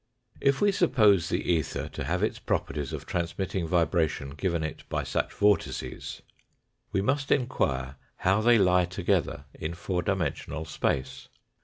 If we suppose the ether to have its properties of trans mitting vibration given it by such vortices, we must inquire how they lie together in four dimensional space.